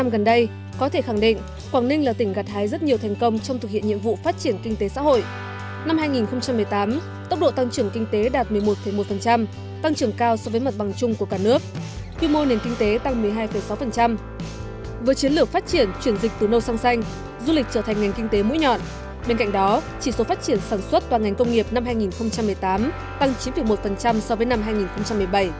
bên cạnh đó chỉ số phát triển sản xuất toàn ngành công nghiệp năm hai nghìn một mươi tám tăng chín một so với năm hai nghìn một mươi bảy